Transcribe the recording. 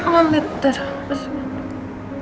lima menit saya masih ngantuk